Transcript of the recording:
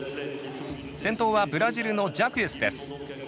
先頭はブラジルのジャクエスです。